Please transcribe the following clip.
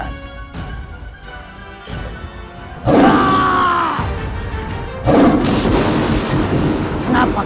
kau sudah selesai